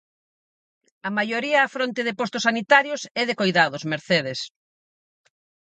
A maioría á fronte de postos sanitarios e de coidados, Mercedes.